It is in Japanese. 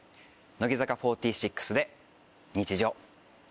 乃木坂４６で『日常』。